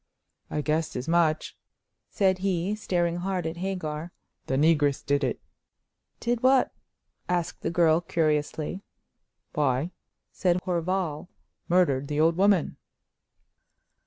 "I guessed as much," said he, staring hard at Hagar. "The negress did it." "Did what?" asked the girl, curiously. "Why," said Horval, "murdered the old woman."